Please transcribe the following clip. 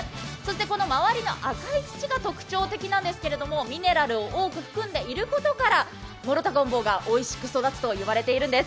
周りの赤い土が特徴的なんですけれども、ミネラルを多く含んでいることから諸田ごんぼうがおいしく育つと言われているんです。